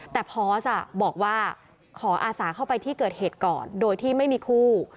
แต่พอสบอกว่าขออาสาเข้าไปที่เกิดเหตุก่อนโดยที่ไม่มีคู่